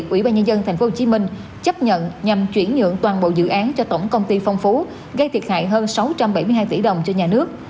ủy ban nhân dân tp hcm chấp nhận nhằm chuyển nhượng toàn bộ dự án cho tổng công ty phong phú gây thiệt hại hơn sáu trăm bảy mươi hai tỷ đồng cho nhà nước